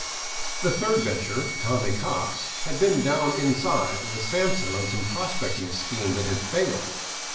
The third bencher, Tommy Cox, had been " down inside " with Sampson on some prospecting scheme that had failed.